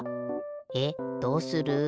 えっどうする？